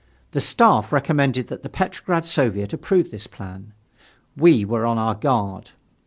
The Staff recommended that the Petrograd Soviet approve this plan. We were on our guard.